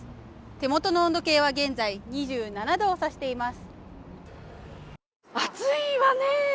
手元の温度計は現在２７度を指しています。